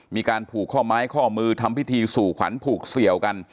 มีการผูกข้อไม้ข้อมือทำพิธีสู่ขวัญผูกเสี่ยวกัน